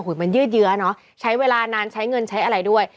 มันยืดเยื้อเนอะใช้เวลานานใช้เงินใช้อะไรด้วย